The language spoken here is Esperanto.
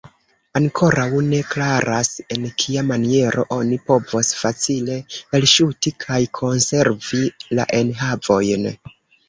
Ankoraŭ ne klaras, en kia maniero oni povos facile elŝuti kaj konservi la enhavojn.